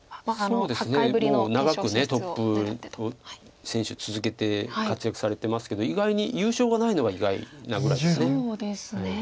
そうですねもう長くトップ選手続けて活躍されてますけど意外に優勝がないのが意外なぐらいです。